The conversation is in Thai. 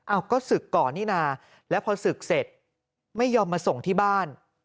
ก็ศึกก่อนนี่นะแล้วพอศึกเสร็จไม่ยอมมาส่งที่บ้าน